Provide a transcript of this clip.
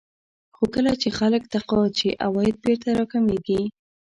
خو کله چې خلک تقاعد شي عواید بېرته راکمېږي